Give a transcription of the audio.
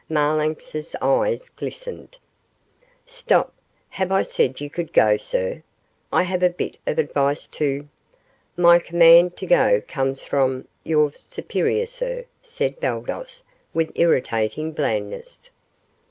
Marlanx's eyes glistened. "Stop! Have I said you could go, sir? I have a bit of advice to " "My command to go comes from your superior, sir," said Baldos, with irritating blandness.